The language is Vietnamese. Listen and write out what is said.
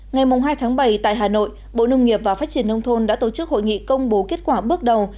ngày hai tháng bảy tại hà nội bộ nông nghiệp và phát triển nông thôn đã tổ chức hội nghị công bố kết quả bước đầu